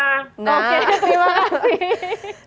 oke terima kasih